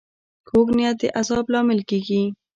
کوږ نیت د عذاب لامل کېږي